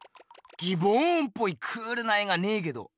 ギボーンっぽいクールな絵がねえけど。